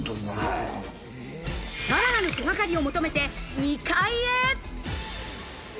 さらなる手がかりを求めて２階へ。